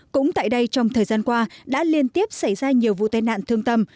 cũng tại đây trong thời gian qua đã liên tiếp xảy ra nhiều vụ tai nạn thương tâm